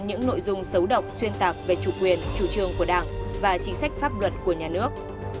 những nội dung xấu độc xuyên tạc về chủ quyền chủ trương của đảng và chính sách pháp luật của nhà nước